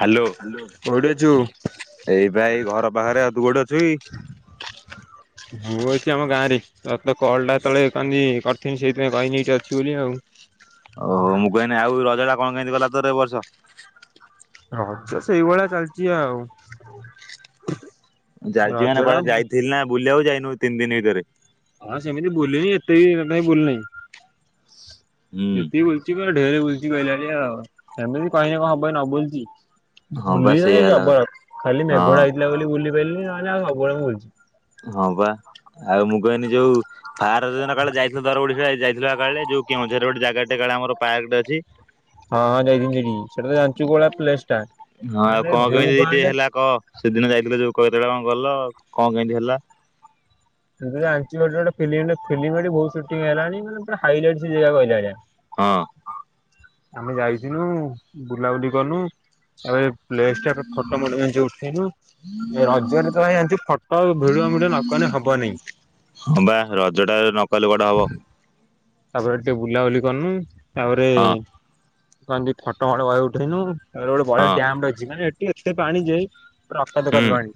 Hello କୋଉଠି ଅଛୁ? ଏଇ ବା ଏଇ ଘର ବାହାରେ ଆଉ ତୁ କୋଉଟି ଅଛୁ କି? ମୁଁ ଅଛି ଆମ ଗାଁ ରେ ତତେ କଲଟା ତଳେ କନି କରିଥିଲି ସେଇଥିପାଇଁ କହିନି ଏଠି ଅଛି ବୋଲି ଆଉ। ଓହୋ ମୁଁ କଇନି ଆଉ ରଜ ଟା କଣ କେମିତି ଗଲା ତୋର ଏଇ ବର୍ଷ। ରଜ ସେଇଭଳିଆ ଚାଲିଚି ଆଉ। ଯାଲିଚି ରଜ ମାନେ ଟା କୁଆଡେ ଯାଇଥିଲି ନା ବୁଲିଆକୁ ଯାଇନୁ ତିନି ଦିନି ଭିତରେ। ହଁ ସେମିତି ବୁଲିନି ଏତେ ବି ବୁଲି ନାଇ ହୁଁ। ଯେତିକି ବୁ କି ଢେରେ ବୁଲିଛି କହିଲା ଭଳିଆ ଆଉ ସେମିତି କହିଲେ କଣ ହବ ନ ବୁଲୁଚି। ହଁ ବା ବୁଲି ସେଇଆ ହେଲା କଥା। ଜବର ଖାଲି ହଁ ମେଘଡା ହେଇଥିଲା ବୋଲି ବୁଲି ପାରିଲିନି ନହେଲେ ଆଉ ସବୁବେଳେ ମୁଁ ବୁଲିଚି। ହଁ ବା ଆଉ ମୁଁ କହିନି ଯୋଉ ଫାର ଦିନ କାଳେ ଯାଇଥିଲ ଦର ଓଡିଶା ଯାଇଥିଲ କାଳେ ଯୋଉ କେଉଁଝରରେ ଗୋଟେ ଜାଗା ଟେ କାଳେ ଆମର ପାର୍କଟେ ଅଛି? ହଁ ହଁ ଯାଇଥିଲି ସେଇଠିକି ସେଟାତ ଯାଞ୍ଚୁ କୋଉଭଳିଆ ପ୍ଲେସଟେ। ହଁ ଆଉ କଣ କେମିତି ଟିକେ ହେଲା କହ ସେଦିନ ଯାଇଥିଲୁ ଯୋଉ କତ କେତେବେଳେ କଣ ଗଲ କଣ କେମିତି ହେଲା? ତୁତ ଜାଣିଚୁ ହେଟି ଗୋଟେ ଫିଲିମ ହେଟି ବହୁତ ସୁଟିଂ ହେଲାଣି ପୁରା ହାଇଲାଇଟି ସେ ଜାଗାହିଲା ଭଳିଆ। ହଁ। ଆମେ ଯାଇଥିନୁ ବୁଲାବୁଲି କନୁ ଏବେ ପ୍ଲେସ ଟାରେ ଫୋଟୋ ମୋଟୋ ମେଞ୍ଚେ ଉଠେଇନୁ। ଏ ରଜରେ ତ ଭାଇ ଜାଣିଚୁ ଫଟ ଭିଡ଼ିଓ ମିଡ଼ିଓ ନ କଲେ ହବନି। ହଁ ବା ରଜ ଟାରେ ନ କଲେ କୁଆଡେ ହବ ତାପରେ ଟିକେ ବୁଲାବୁଲି କନୁ ତାପରେ ହଁ କହନ୍ତି ଫଟ ମଟ ବହେ ଉଠେଇନୁ। ତା ପରେ ଗୋଟେ ବଢ଼ିଆ ହଁ ଡ୍ୟାମ୍ ଟେ ଅଛି ମାନେ ଏଠି ଏତେ ପାଣି ଯେ ପୁରା ଅକାତ ହୁଁ କାତ ପାଣି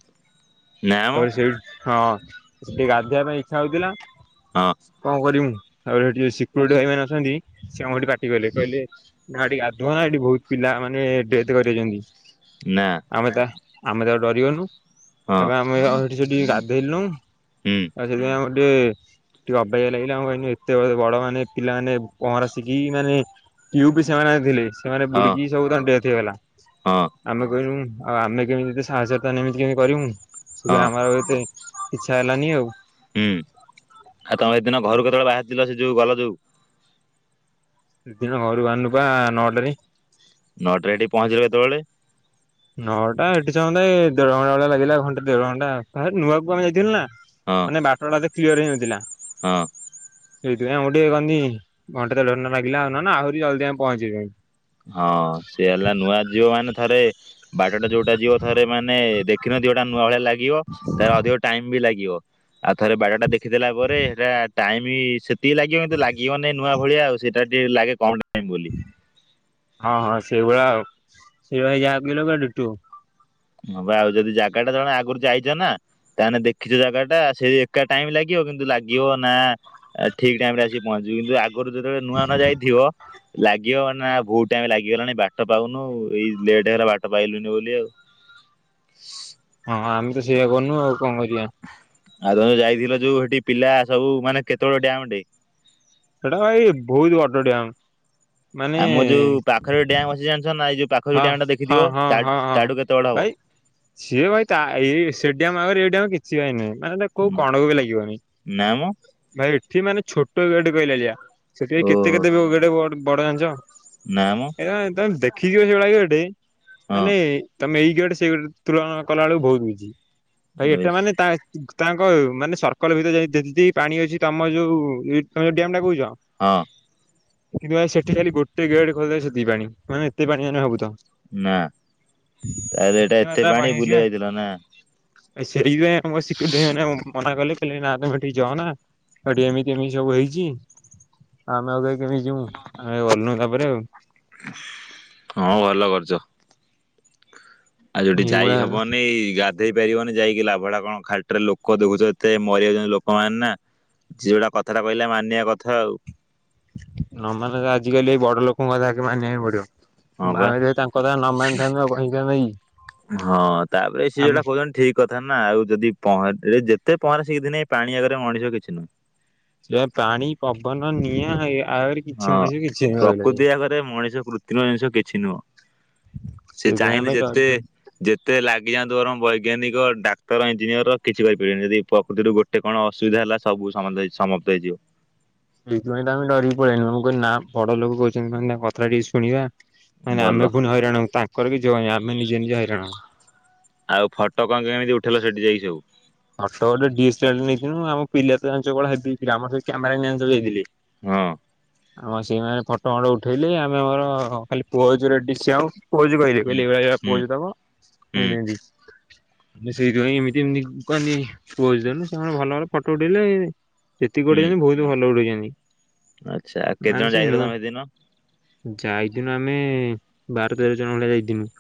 ନା ମ ତାପରେ ସେଇଠ ହଁ ସେଠି ଗାଧୋଇବା ପାଇଁ ଇଚ୍ଛା ହଉଥିଲା। ହଁ। କଣ କରିମୁ ଆଉ ସେଠି ଯୋଉ ସିକୁରୁଟି ଭାଇ ମାନ ଅଛନ୍ତି ସେ ଆମକୁ ସେଠି ପାଟି କଲେ କହିଲେ ନା ଏଠି ଗାଧୁଆ ନା ଏଠି ବହୁତ ପିଲା ମାନେ ଡେଥ୍ କରିଯାଇଛନ୍ତି। ନାଁ। ଆମେ ତା ଆମେ ତାକୁ ଡ଼ରିଗନୁ ହଁ ଅପେ ଆମେ ଏଠି ସେଠି ଗାଧେଇଲୁନୁ। ହୁଁ। ତାପରେ ସେଥିପାଇଁ ଆମକୁ ଟିକେ ଟିକେ ଅବାଗିଆ ଲାଗିଲା ଆମେ କ ସେତେବେଳେ ବଡ଼ ମାନେ ପିଲାମାନେ ପହଁରା ଶିଖିକି ମାନେ ଟ୍ୟୁବ ସେମାନେ ଆଣିଥିଲେ। ସେମାନେ ହଁ ବୁଡ଼ିକି ସବୁ ତାଙ୍କ ଡେଥ ହେଇଗଲା। ହଁ ଆମେ କହିନୁ ଆଉ ଆମେ କେମିତି ଏ ସାହାଯ୍ୟ ତାହେନେ ଏମିତି କେମିତି କରିବୁ ସେଥି ହଁ ଆମର ଏତେ ଇଚ୍ଛା ହେଲାନି ଆଉ। ହୁଁ ଆଉ ତମେ ସେଦିନ ଘରୁ କେତେବେଳେ ବାହାରିଥିଲ ସେ ଯୋଉ ଗଲ ଯୋଉ। ସେ ଦିନ ଘରୁ ବାହାରିନୁପା ନଅଟାରେ। ନଅଟାରେ ହେଟି ପହଞ୍ଚିବ କେତେବେଳେ? ନଅଟା ଏଠି ସମୁଦାଇ ଦେଢ ଘଣ୍ଟା ଭଳିଆ ଲାଗିଲା ଘଣ୍ଟା ଦେଢ଼ ଘଣ୍ଟା ନୂଆ କକୁ ଆମେ ଯାଇଥିଲୁ ନା। ହଁ ମାନେ ବଟ ଟା ଏତେ କ୍ଲିୟର ହେଇନଥିଲା। ହଁ। ସେଇଥିପାଇଁ ଆଉ ଗୋ ଟେ କନି ଘଣ୍ଟେ ଦେଢ଼ ଘଣ୍ଟା ଲାଗିଲା ଆ ଆହୁରି ଜଲଦି ଆମେ ପହଞ୍ଚି ଯାଇଥାନ୍ତୁ। ହଁ ସିଏ ହେଲା ନୂଆ ଯିବ ମାନେ ଥରେ। ବାଟ ଟା ଯୋଉଟା ଯିବ ଥରେ ମାନେ ଦେଖିନଥିବ ହେଟା ନୂଆ ଭଳିଆ ଲାଗିବ ତ ଅଧିକ ଟାଇମ ବି ଲାଗିବ ଆଉ ଥରେ ବାଡ଼ାଟା ଦେଖିଦେଲା ପରେ ହେଟା ଟାଇମ ସେ ଟି ଲାଗିବ ତୁ ଲାଗିବ ନେଇଁ ନୂଆ ଭଳିଆ ଆଉ ସେଇଟା ଟିକେ ଲାଗେ କମ ଟାଇମ ବୋଲି। ହଁ ହଁ ସେଇଭଳିଆ ଆଉ ସେଇଭଳିଆ ଇଆ ଭଳିଆ ଡ଼ିଟୁ ହଁ ବା ଆଉ ଯଦି ଜାଗା ଟା ଜଣେ ଆଗରୁ ଯାଇଛ ନା। ତାହେଲେ ଦେଖିଛ ଜାଗା ଟା ସେ ଏକା ଟାଇମ ଲାଗିବ କିନ୍ତୁ ଲାଗିବ ନା ଆ ଠିକ୍ ଟାଇମ୍ ରେ ଆସି ପହଞ୍ଚିବୁ କିନ୍ତୁ ଆଗରୁ ଯେତେବେଳେ ନୂଆ ନୂଆ ଯାଇଥିବ। ଲାଗିବ ମାନା ଭହୁତ ଟାଇମ ଲାଗିଗଲାଣି ବାଟ ପାଉନୁ ଏଇ ଲେଟ ହେରେ ବାଟ ପାଇଲୁନି ବୋଲି ଆଉ। ହଁ ଆମେ ତ ସେଇଆ କନୁ ଆଉ କଣ କରିବା। ଆଉ ତମେ ଯାଇଥିଲ ଯୋଉ ସେଠି ପିଲା ସବୁ ମାନେ କେତେବେଳେ ଡ୍ୟାମ ଟେ? ସେଟାପା ହେଇ ବହୁତ ବଡ଼ ଡ୍ୟାମ। ଆମ ଯୋଉ ପାଖରେ ଡ୍ୟାମ୍ ଅଛି ଜାଣିଛ ନା ଏଇ ଯୋଉ ପାଖ ଯୋଉ ହଁ ଡ୍ୟାମ ଟା ହଁ ଦେଖିଥିବ ହଁ ତାଠୁ ହଁ ହଁ। ତାଠୁ କେତେ ବଡ଼ ହବ। ଭାଇ ସିଏ ଭାଇ ତା ଏଇ ସେ ଡ୍ୟାମ ଆଗରେ ଏଇ ଡ୍ୟାମ କିଛି ସିଏ ଭାଇ ନୁହେଁ ମାନେ ତା କୋଉ ଉଁ, କଣକୁ ବି ଲାଗିବନି। ନା ମ ଭାଇ ଏଠି ମାନେ ଛୋଟ ଗେଟ କହିଲା ଭଳିଆ ସେଥିପାଇଁ କେତେ କେତେ ଗେଟ ବଡ଼ ମାନେ ଜାଣିଛ ନା? ନାଁ ମଁ। ତମେ ତମେ ଦେଖିଯିବ ସେଇଭାଳିଆ ଗଟେ ହଁ ମାନେ ତମେ ଏଇ ଗଟେ ସେଇ ଗଟେ ତୁଳନା କଲା ବେଳକୁ ବହୁତ ହଉଚି ଭାଇ ଏଟା ବେଶ ମାନେ ତା ତାଙ୍କ ମାନେ ସର୍କଲ ଭିତରେ ଯଦି ପାଣି ଅଛି ତମ ଯୋଉ ତ ଯୋଉ ଡ୍ୟାମ ଟା କହୁଛ। ହଁ। କିନ୍ତୁ ଆ ସେଠି ଖାଲି ଗୋଟେ ଗେଟ ଖୋଦେ ସେତିକି ପାଣି ମାନେ ଏତେ ପାଣି ମାନେ ଭାବୁଥା ନା ତାହେଲେ ଏଇଟା ଏତେ ମାତ୍ରା ପାଣି ଅଛି ବା। ବୁଲିବାକୁ ଯାଇଥିଲା ନା। ସେଇଥିପାଇଁ ଆମ ସିକ୍ୱରିଟି ଭାଇ ମାନେ ମନା କଲେ। ନାଇଁ ତମେ ହେଠିକି ଯାଆନା ଏମିତି ଏମିତି ସବୁ ହେଇଛି। ଆମେ ଆଉ କାହିଁ କେମିତି ଯିବୁ ଆମେ ଗଲନୁ ତାପରେ ଆଉ। ହଁ ଭଲ କରୁଛ। ଆଉ ଯୋଉଠି ଯାଇ ଏଇଭଳିଆ ହେଲା। ହବନି ଏଇ ଗ ଦେଇପାରିବନି ଯାଇକି ଲାଭଡା କଣ ଖାଲିଟାରେ ଲୋକ ଦେଖୁଛ ଏତେ ମରିଯାଉଛନ୍ତି ଲୋକମାନେ ନା। ସିଏ ଯୋଉଟା କଥାଟା କହିଲା ମାନିବା କଥା ଆଉ। ନ ମାନେ ତ ଆଜିକାଲି ଏଇ ବଡ ଲୋକଙ୍କ କଥାକେ ମାନିବା ପାଇଁ ପଡିବ। ହଁ ବା ଆମେ ଯ ତାଙ୍କ କଥା ନ ମିଥାନ୍ତୁ [unintelligible] [unintelligible] ହଁ ତାପରେ ସେ ଯୋଉଟା ଠିକ କଥା ନା ଆଉ ଯଦିହଁରା ଯେତେ ପହଁରା ସେ ଦିନ ଏ ପାଣି ଆଗରେ ମଣିଷ କିଛି ନୁହଁ। ଏ ପାଣି ପବନ ନିଆଁ ଆରେ କିଛି ହଁ ମଣିଷ କିଛି କହିଲ। ପ୍ରକୃତି ଆଗରେ ମଣିଷ କୃତ୍ରିମ ଜିନିଷ କିଛି ନୁହଁ। ସେ ସେଇଥିପାଇଁ ଚାହିଁଲେ ଆମେ ଯେତେ ଡରି ଯେତେ ଲାଗିଯାଆନ୍ତୁ ବରଂ ବୈଜ୍ଞାନିକ ଡାକ୍ତର ଇଞ୍ଜିନିୟର କିଛି କରିପାରିବନି ଯଦି ପ୍ରକୃତିରୁ ଗୋ ଗୋଟେ କଣ ଅସୁବିଧା ହେଲା ସବୁ ସମାପ୍ତ ହେଇଯିବ। ସେଇଥିପାଇଁ ତମେ ଡରିକ ପଳେଇନୁ ମୁଁ କିଲି ନା ବଡ ଲୋକ କହୁଛନ୍ତି ମାନେ ତାଙ୍କ କଥା ଟିକେ ଶୁଣିବା। ମାନେ ଭଲ। ଆମେ ପୁଣି ହଇରାଣୁ ତାଙ୍କର ବି ଯିବନ ଆମେ ନିଜେ ନିଜେ ହଇରାଣ। ଆଉ ଫଟୋ କଣ କେମିତି ଉଠେଇଲ ସେଠି ଯକି ସବୁ? ଅଠୋ ଗୋଟେଦିଏସ୍ଲାର ନେଇଥିଲୁ ଆମ ପିଲା ତ ଜାଞ୍ଚ କୌଭଳିଆ ହେବି ପିଲା ଆମର ସ କ୍ୟାମେରା ମ୍ୟାନ୍ ହେଇଥିଲି। ହଁ ଆମ ସେଇମାନେ ଫଟୋ ଫଣ୍ଡ ଉଠେଇଲେ ଆମେ ଆମର ଖାଲି ପୁଅ ଡିସି ଆଉ। ପୋଷେ କହିଲେ ହୁଁ କହିଲେ ଏଇଭଳିଆ ଏ ହୁଁ ପୋଯ ଦବ ହୁଁ ଏମତି ଏମତି। ସେଇଥିପାଇଁ ଏମିତି ଏମତି କହି ପ ଦନୁ ସେମାନେ ଭଲ ଭଲ ଫଟୋ ଉଠେଇଲେ ଯେତିକି ହୁଁ ଉଠେଇଛନ୍ତି ବହୁତ ଭଲ ଉଠେଇଛନ୍ତି। ଆଚ୍ଛା ଆଉ କେତେ ଜଣ ଯାଇଥିଲ ତମେ ହେଦିନ? ଯାଇଥିନୁ ଆମେ ବାର ତେର ଜଣ ଭଳିଆ ଯାଇଥିନୁ।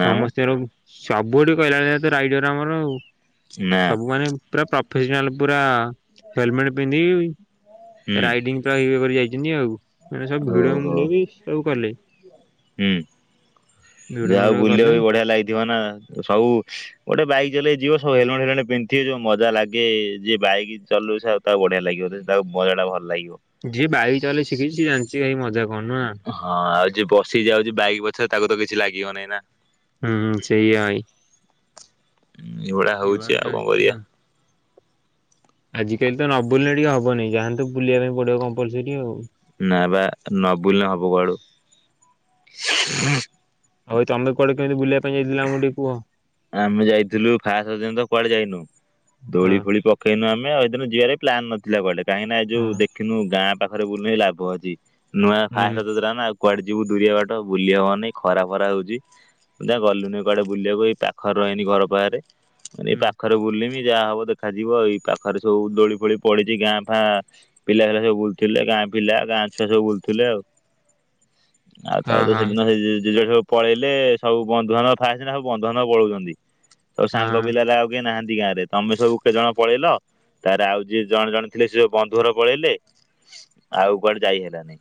ନା ମ ସମସ୍ତର ସବୁଆଠି କହିଲାଣି ତ ରାଇଡର ଆମର ଆଉ। ନା ସବୁ ମାନ ପୁରା ପ୍ରଫେସନାଲ ପୁରା ହେଲମେଟ ପିନ୍ଧକି ହୁଁ ରାଇଡିଇଂ ପ କରି ଯାଇଛନ୍ତି ଆଉ। ମାନେ ସବୁ ଭିଡ ଓହୋ ମଳି ବି ସବୁ କଲେ। ହୁଁ ଭିଡ ଭିଡ ଯାହାଉ କଲେ ବୁଲିବାକୁ ବଢିଆ ଲାଗିଥିବ ନା। ସବୁ ଗୋଟେ ବାଇକ ଚଲେଇ ଯିବ ସୁ ହେଲମେଟ ହେଲମେଟ ପିନ୍ଧିଥିବେ ଯୋଉ ମଜା ଲାଗେ ଯି ବାଇକ ଚଲୁ ତ ବଢିଆ ଲାଗିବ ତାକୁ ମଜା ଟା ଭଲ ଲାଗିବ। ଯିଏ ବାଇକ ଚଲେ ଶିଖିଛି ଶେ ଜାଣିଛି କାଇ ମଜା କଣ ନା? ହଁ ଆଉ ଯିଏ ବସି ଯାଉଛି ବାଇକ ପଛରେ ତାକୁ ତ କିଛି ଲାଗିବନହିଁ ନା ହୁଁ ସେୟା ହଁ ଏଇଭଳିଆ ହଉଛି ଆଉ କଣ କରିବା। ଆଜିକାଲି ତ ନବୁଲିଲେ ନ ଟିକେ ହବନି ଯାହାନ୍ତୁ ବୁଲିବା ପାଇଁ ପଡିବ କମ୍ପଲସରି ଆଉ। ନା ବା ନ ବୁଲ ନ ହବ କୁଆଡୁ? ଆଉ ତମେ କୁଆଡୁ କେମିତି ବୁଲିବାପାଁଇ ଆମେ ଯାଇଥିଲୁ ଫାଷ୍ଟ ଦ ତ କୁଆଡେ ଯାଇନୁ ହଁ ଦୋଳି ଫୋଳି ପ କହିୁ ଆମେ ଏଇିନ ଯିବାରେ ପ୍ଲାନ୍ ନଥିଲା କଆଡେ କାହିଁକିନା ଏଇ ଯଉ ହଁ ଦେଖିନୁ ଗାଁ ପାଖରେ ବୁଲୁି ଲାଭ ଆଛି। ନୂଆ ହୁଁ [unintelligible] କୁଆଡେ ଯିବୁ ଦୂରିବା ବାଟ ବୁଲିବା ହବନି ଖରା ଖରା ହଉଛି ଯା ଗଲୁନି। କୁଆଡେ ବୁଲିବାକୁ ଏଇ ପାଖରେ ରହନି ଘର ପାଖରେ ମାନେ ହୁଁ। ପାଖ ରେ ବୁଲିମି ଯାହା ହବ ଦେଖାଯିବ ଏଇ ପାଖରେ ସବୁ ଦୋଳି ଫୋଳି ପଡିଛି ଗାଁ ଫାଁ ପିଲା ପିଲା ସବୁ ବୁଲୁଥିଲେ ଗାଁ ପିଲା ଗାଁ ଛୁଆ ସବୁ ବୁଲୁଥିଲେ ଆଉ। ଆଉ ତା ହଁ ହଁ ସେଦିନ ସେ ଜେଜେ ସବୁ ପଳେଇଲେ ସବୁ ବନ୍ଧୁ ବାନ୍ଧବ [unintelligible] ବନ୍ଧୁ ବାନ୍ଧବ ପଳୋଉଛନ୍ତି ତ ସାଙ୍ଗ ହଁ ପିଲାରା କେହି ନାହାନ୍ତି ଗାଁରେ ତମେ ସବୁ କେତେ ଜଣ ପଳେଇଲ ତାର ଆଉ ଯିଏ ଜଣେ ଜଣେ ଥିଲେ ସେ ଯୋଉ ବନ୍ଧୁ ଘର ପଳେଇଲେ ଆଉ କୁଆଡେ ଯାଇ ହେଲାନି।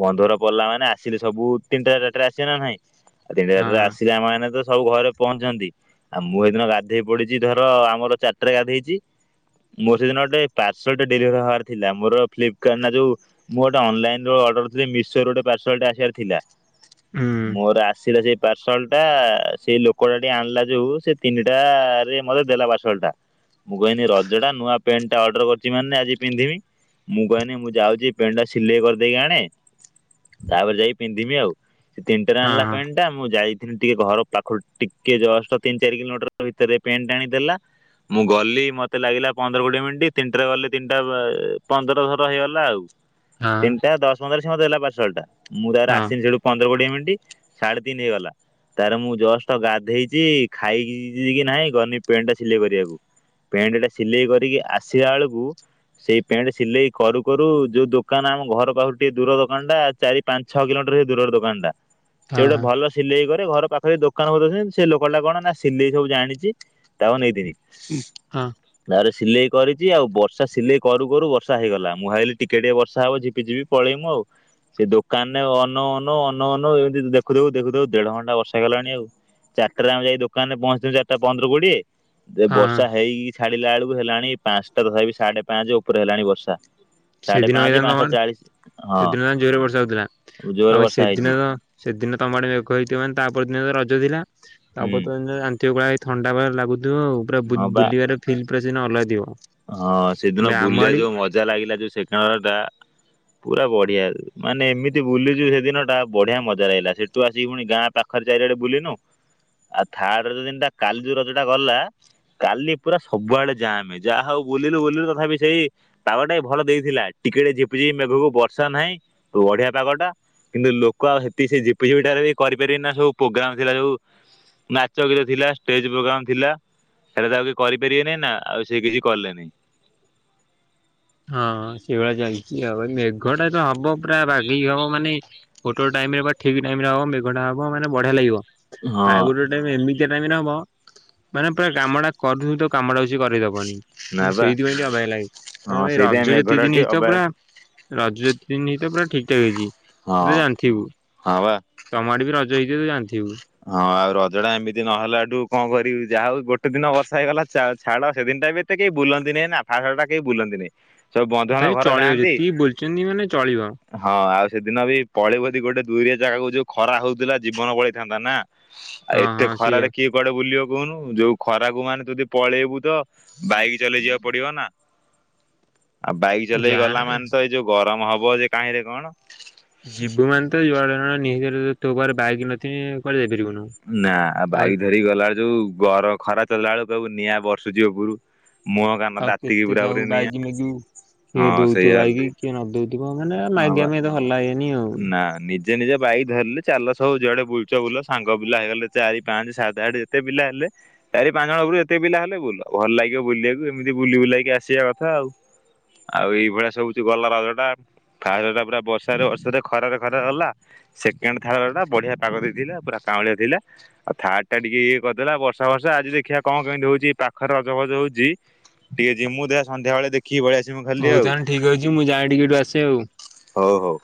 ବନ୍ଧୁ ଘର ଗଲା ମାନେ ଅଶିବେ ସବୁ ତିନି ଟା ଚାରିଟା ରେ ଆସିବେ ନା ନାହିଁ ଆ ତିନିଟା ଚାରିଟା ରେ ଆ ହଁ ଜା ମାନେ ତ ସବୁ ଘରେ ପହଞ୍ଚନ୍ତି ଆ ମୁଁ ଏଇଦିନ ଗାଧେଇ ପଡିଛି ଧର ଆମର ଚାରିଟାରେ ଗାଧେଇଛି। ମୋର ସେଦିନ ଗୋଟେ ପାର୍ସଲ ଟେ ଡେଲିଭରି ହବାର ଥିଲା ମୋର ଫ୍ଲିପକାର୍ଟ ନା ଯୋଉ ମୁଁ ଗୋଟେ ଅନଲାଇନ ର ଅର୍ଡର ଥିଲି ମିସୋ ଗୋଟେ ପାର୍ସଲଟେ ଆସିବାର ଥିଲା। ହୁଁ ମୋର ଆସିଲା ଶେ ସଲ୍ ଟା ସେଇ ଲୋକଟା ଟିକେ ଆଣିଲା ଯୋଉ ସେ ତିନିଟା ରେ ମତେ ଦେଲା ପାର୍ସଲ୍ ଟା। ମୁଁ କହିନି ରଜଟା ନୂଆ ପ୍ୟାଣ୍ଟା ଟା। ଅର୍ଡର କରିଛି ମାନେ ଆଜି ପିନ୍ଧିବି ମୁଁ କହିନି ମୁଁ ଯାଉଛି ପେଣ୍ଟ ଟା ସିଲେଇ କରିଦେଇକି ଆଣେ ତାପରେ ଯାଇକି ପିନ୍ଧିବି ଆଉ। ସେ ତିନିଟାରେ ହଁ ଆଣିଲା ହଁ ପାଣି ଟା ମୁଁ ଯାଇକି ଟିକେ ଘର ପାଖରୁ ଟିକେ ଜଷ୍ଟ ତିନି ଚାରି କିଲୋମିଟର ଭିତରେ ପେଣ୍ଟ ଆଣିକି ଦେଲା ମୁଁ ଗଲି ମତେ ଲାଗିଲା ପନ୍ଦର କୋଡିଏ ମିନିଟ୍ ତିନିଟାରେ ଗଲି ତିନିଟା ପନ୍ଦର ଧର ହେଇଗଲା ଆଉ। ହଁ ତିନିଟା ଦଶ ପନ୍ଦର ରେ ସେ ମତେ ଦେଲା ପାଟସଲ୍ ଟା ମୁଁ ତାପରେ ହଁ ଆସିନି ସେଠୁ ପନ୍ଦର କୋଡିଏ ମିନିଟ୍ ସାଢ଼େ ତିନି ହେଇଗଲା ତାର ମୁଁ ଜଷ୍ଟ ଗାଧେଇଛି ଖାଇ କି ନାହିଁ ଗନି ପେଣ୍ଟ ଟା ଶିଲେଇ କରିବାକୁ ପେଣ୍ଟ ଟା ସିଲେଇ କରିକି ଆସିଲା ବେଳକୁ ସେଇ ପେଣ୍ଟ ସିଲେଇ କରୁ କରୁ ଯୋଉ ଦୋକାନ ଆମ ଘର ପାଖରୁ ଟିକେ ଦୂର ଦୋକାନ ଟା ଚାରି ପାଞ୍ଚ ଛଅ କିଲୋମିଟର ହେଇ ଦୂରର ଦୋକାନ ଟା ସେ ହଁ ଗୋଟେ ଭଲ ସିଲେଇ କରେ ଘର ପାଖରେ ଦୋକାନ [unintelligible] ବୋ ଅଛନ୍ତି ସେ ଲୋକଟା କଣ ନା ସିଲେଇ ସବୁ ଜାଣିଚି ତାମାନେ ଏଇ [unintelligible] ହଁ। ତାପରେ ସିଲେଇ କରିଛି ଆଉ ବର୍ଷା ସିଲେଇ କରୁ କରୁ ବର୍ଷା ହେଇଗଲା ମୁଁ ଭାଵିଲି ଟିକେ ଟିକେ ବର୍ଷା ହବ ଝିପି ଝିପି ପଳେଇମୁ ଆଉ ସେ ଦୋକାନରେ ଅନଉ ଅନଉ ଅନଉ ଅନଉ ଏମିତି ଦେଖୁଦେଖୁ ଦେଖୁଦେଖୁ ଦେଢ ଘଣ୍ଟା ବର୍ଷା ହେଇଗଲାଣି ଆଉଚାରିଟାରେଆମେ ଯାଇକି ଦୋକାନରେ ପହଞ୍ଚିଲୁ ଚାରିଟା ପନ୍ଦର କୋଡିଏ ଦେ ହଁ ବର୍ଷା ହେଇକି ଛାଡିଲା ବେଳକୁ ହେଲାଣି ପାଞ୍ଚଟା ତଥାପି ସାଢେ ପାଞ୍ଚ ଉପରେ ହେଲାଣି ବର୍ଷା ସାଢେ ସେଦିନ ପାଞ୍ଚ ଦିନ ପାଞ୍ଚଟା ମାନ୍ ଚାଳିଶି ସେଦିନ ଆ। [unintelligible] ଜୋରରେ ବର୍ଷା ହଉଥିଲା ହଁ ଜୋରେ ଆଉ ଏଇ ବର୍ଷା ହେଇଛି ସେଦିନ ତ ସେଦିନ ତମ ଆଡେ ମେଘ ହେଇଥିବ ମାନେ ତାପର ଦିନ ତ ରଜ ଥିଲା ତା ହୁଁ ପର ଦିନ [unintelligible] ଯନ୍ତି କୋଳା ହେ। ଥଣ୍ଡା ଭଲିଆ ଲାଗୁଥିବ ଆଉ ପୁରା ହଁ ବା। ବୁଲିବାର ଫିଲ୍ ପୁରା ସେଦିନ ଅଲଗା ଥିବ ହଁ ସେଦିନ ଏବେ ଆମ ବୁଲିବା ଆଡେ ଯୋଉ ମଜା ଲାଗିଲା ଯୋଉ ସେ [unintelligible] କାନାଳ ଟା ପୁରା ବଢିଆ ରେ ମାନେ ଏମିତି ବୁଲିଚୁ ସେଦିନ ଟା ବଢିଆ ମଜାଲାଗିଲା ସେଠୁ ଆସିକି ପୁଣି ଗାଁ ପାଖ ଖାଲି ଚାରି ଆଡେ ବୁଲି ନୁ ଆଉ ଥାର୍ଡରଜ ଦିନଟା କାଲି ଯୋଉ ରଜ ଟା ଗଲା କାଲି ପୁରା ସବୁଆଡେ ଯାଁମ୍ [unintelligible] ହେଇଜି ଵ ଯାହା ହଉ ବୁଲିଲୁ ବୁଲିଲୁ ତଥାପି ସେଇ ପାଗଟା ବି ଭଲ ଦେଇଥିଲା ଟିକେ ଟିକେ ଝିପଝିପି ମେଘକୁ ବର୍ଷା ନାହିଁ ବଢିଆ ପାଗ ଟା କିନ୍ତୁ ଲୋକ ଆଉ ହେତିକି ସେ ଝିପିଝିପିଟାରେ ହିଁ କରିପାରିବେ ନା ସବୁ ପ୍ରୋଗ୍ରାମ ଥିଲା ଯୋଉ ନାଚ ଗୀତ ଥିଲା ଷ୍ଟେଜ ପ୍ରୋଗ୍ରାମ ଥିଲା ସେଇଟା ତ ଆଉ କିଏ କରିପାରିବେନି ନା ଆଉ ସେ କିଛି କଲେନି। ହଁ ସେଭଳିଆ ଚାଲିଚି ଆଉ ମେଘ ଟା ତ ହବ ପୁରା ବାଗେଇକି ହବ ମାନେ ଗୋଟେ ଗୋଟେ ଟାଇମ ରେ ବା ଠିକ ଟାଇମ ରେ ହବ ମେଘଟା ହବ ମାନେ ବଢିଆ ଲାଗିବ ହଁ ଆଉ ଗୋଟେ ଗୋଟେ ଏମିତିଆ ଟାଇମ୍ ରେ ହବ ମାନେ ପୁରା କାମ ଟା କରୁଥୁବୁ ତୋ କାମ ଟା ସିଏ କରେଇ ଦବନି। ନା ମାନେ ବା ସେଇଥିପାଇଁ ଟିକେ ଅବାଗିଆ ଲାଗେ ହଁ ନହେଲେ ରଜ ସେଇଥିପାଇଁ ଯେତିକି ମେଘଟା ଦିନ ଟିକେ ହେଇଥିବ ଅବାଗିଆ ପୁରା ରଜ ତିନି ତ ପୁରା ଠିକ୍ ଠାକ୍ ହେଇଛି ହଁ ତୁ ତ ଜାଣିଥିବୁ। ହଁ ବା ତମଆଡେ ବି ରଜ ହେଇଥିବ ତୁ ଜାଣିଥିବୁ ହଁ ଆଉ ରଜ ଟା ଏମିତି ନହେଲା ଠୁ କଣ କରିବି ଯାହା ହଉ ଗୋଟେ ଦିନ ବର୍ଷା ହେଇଗଲା ଛାଡ ହେ ଦିନଟା ବି ଏତେ କେହି ବୁଲନ୍ତି ନାଇଁ ନା [unintelligible] ଫାଷ୍ଟେ ଟା କେହି ବୁଲନ୍ତି ନାଇଁ ତଥାପି ଚଳିବ ଯେତିକି ବୁଲିଚନ୍ତି ମାନେ ଚଳିବ ହଁ ଆଉ ସେଦିନ ବି, ପଳେଇିବୁ ଯଦି ଗୋଟେ ଦୁରିଆ ଜାଗାକୁ ଯୋଉ ଖରା ହଉଥିଲା, ଜୀବନ ପଳେଇଥାନ୍ତା ନା ଆଉ, ହଁ ଏତେ ହଁ ସେଇଆ ଖରାରେ କିଏ କୁଆଡେ ବୁଲିବ କହୁନୁ। ଯୋଉ ଖରାକୁ, ମାନେ ଯଦି ପଳେଇବୁ, ତ ବାଇକ ଚଲେଇ ଯିବାକୁ ପଡିବ ନା ଆଉ ବାଇକ ଚଲେଇ ଯାହାହେଲେ ଗଲା ବି ମାନେ ତ, ଏଇ ଯୋଉ ଗରମ ହବ ଯେ କାହିଁରେ କଣ। ଯିବୁ ମାନେ ତ ଯୁଆଡେ ନି। ତୋ ପାଖରେ ବାଇକ ନଥିବ କୁଆଡେ ଯାଇପାରିବୁନୁ। ନା। ଆଉ ବାଇକ ଧରିକି ଗଲାବେଳେ ଯୋଉ ଗର ଖରା ଚଲିଲା ବେଳେ, ନିଆଁ ବର୍ଷୁଛି ଉପରୁ। ମୁହଁ କାନ ଆଉ ତାତିକି କେତେ କାହାକୁ ପୁରାପୁରି ବାଇକ ନିଆଁ। ମାଗିବୁ କିଏ ହଁ ଦଉଥିବ ସେଇଆ ବା, ହେଲା କିଏ ନ ଦଉଥିବ। ମାନେ ହଁ ମାଗି ବା ପାଇଁ ଭଲ ଲାଗେ ନି ନା। ନିଜ ଯେ ନିଜ ବାଇକ ଧରିଲେ, ଚାଲ ସବୁ। ଯୁଆଡେ ବୁଲଚ ବୁଲ। ସାଙ୍ଗ ପିଲା ହେଇଗଲେ, ଚାରି ପାଞ୍ଚ ସାତ ଆଠ ଯେତେ ପିଲା ହେଲେ ଚାରି ପାଞ୍ଚ ଜଣ ବରୁ, ଏତେ ପିଲା ହେଲେ ବୁଲ ଭଲ ଲାଗିବ ବୁଲିବାକୁ। ଏମିତି ବୁଲି ବୁଲେଇକି ଆସିବା କଥା ଆଉ। ଆଉ ଏଇଭଳିଆ ସବୁଉଛି ଗଲା ରଜ ଟା। ଫାସ ଟା ପୁରା ବର୍ଷାରେ ବର୍ଷ ସେ ବଧେ ଖରରେ ଖରା ଗଲା। ସେକେଣ୍ଡ ଥାର୍ଡ ଟା ବଢିଆ ପାଗ ଦେଇଥିଲା। ପୁରା କାଉଁଳିଆ ଥିଲା। ଆଉ ଥାର୍ ଟା, ଟିକେ ଇଏ କରିଦେଲା, ବର୍ଷା ବର୍ଷା। ଆଜି ଦେଖିବା, କଣ କେମିତି ହଉଛି।? ଏଇ ପାଖରେ ରଜଫଜ ହଉଛି। ଟିଏ ଯି ମୁଁ ଦେୟା ସନ୍ଧ୍ୟା ବେଳେ ଦେଖିକି, ପଳେଆସିମି ମୁଁ ଖାଲି ହଉ ଆଉ। ତାହେଲେ ଠିକ ଅଛି ମୁଁ ଯାଏ ଟିକେ ଏଠୁ ଆସେ ଆଉ। ହଉ, ହଉ।